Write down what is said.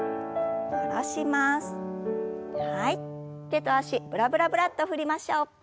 手と脚ブラブラブラッと振りましょう。